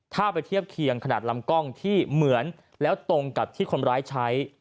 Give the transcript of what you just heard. ถ้าไปเทียบเคียงขนาดลำกล้องที่เหมือนแล้วตรงกับที่คนร้ายใช้